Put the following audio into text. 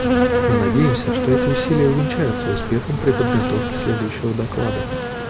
Мы надеемся, что эти усилия увенчаются успехом при подготовке следующего доклада.